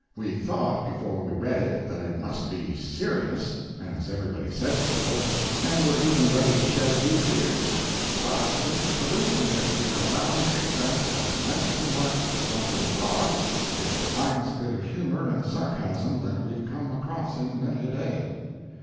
We thought before we read it that it must be "serious," as everybody said so, and were even ready to shed a few tears; but since perusing it, we are bound to confess that next to Mark's "Jumping Frog" it's the finest bit of humor and sarcasm that we've come across in many a day.